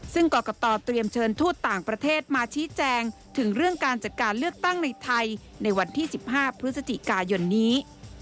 ซึ่งกรกตเตรียมเชิญทูตต่างประเทศมาชี้แจงถึงเรื่องการจัดการเลือกตั้งในไทยในวันที่๑๕พฤศจิกายนนี้